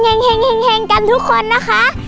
รอเสร็จแล้วแห่งแห่งกันทุกคนนะคะ